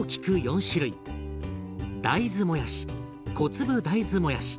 大豆もやし小粒大豆もやし